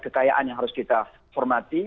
kekayaan yang harus kita hormati